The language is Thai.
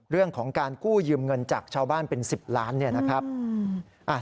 เรื่องของการกู้ยืมเงินจากชาวบ้านเป็น๑๐ล้านบาท